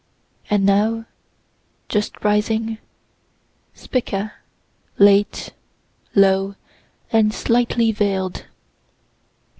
And now, just rising, Spica, late, low, and slightly veil'd.